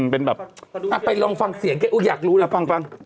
เป็นแบบไปลองฟังเสียงแกอูอยากรู้นะฟัง